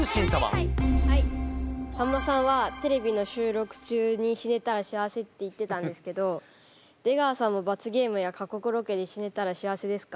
さんまさんは「テレビの収録中に死ねたら幸せ」って言ってたんですけど出川さんも罰ゲームや過酷ロケで死ねたら幸せですか？